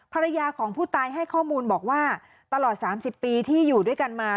ภรรยาของผู้ตายให้ข้อมูลบอกว่าตลอด๓๐ปีที่อยู่ด้วยกันมา